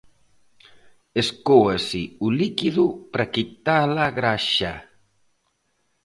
Escóase o líquido para quitar a graxa.